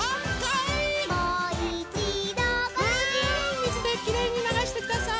みずできれいにながしてください。